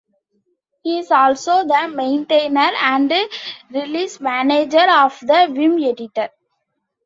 He is also the maintainer and release manager of the Vim editor.